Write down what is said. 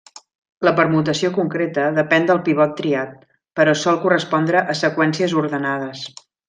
La permutació concreta depèn del pivot triat, però sol correspondre a seqüències ordenades.